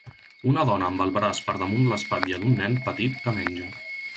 Una dona amb el braç per damunt l'espatlla d'un nen petit que menja.